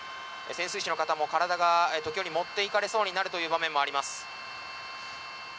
潜水士の方も体が時折持っていかれそうになるという場面もあります。